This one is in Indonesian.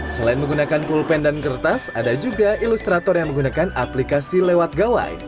selain menggunakan pulpen dan kertas ada juga ilustrator yang menggunakan aplikasi lewat gawai